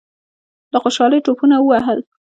له خوشالۍ ټوپونه ووهل.